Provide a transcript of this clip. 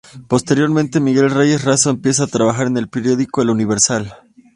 Posteriormente, Miguel Reyes Razo empieza a trabajar en el periódico El Universal.